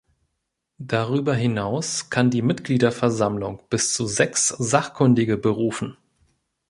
Darüber hinaus kann die Mitgliederversammlung bis zu sechs Sachkundige berufen.